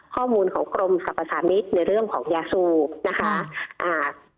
ข้อมูลของกรมสรรพสามิตรในเรื่องของยาซูนะคะอ่า